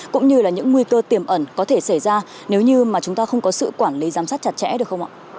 cũng như là những nguy cơ tiềm ẩn có thể xảy ra nếu như mà chúng ta không có sự quản lý giám sát chặt chẽ được không ạ